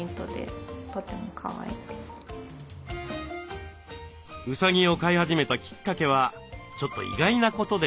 うさぎを飼い始めたきっかけはちょっと意外なことでした。